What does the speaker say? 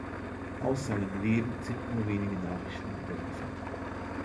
Aus seinem Leben sind nur wenige Nachrichten überliefert.